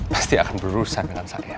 pasti akan berurusan dengan saya